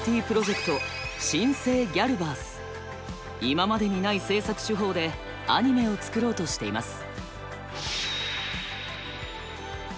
今までにない制作手法でアニメを作ろうとしています。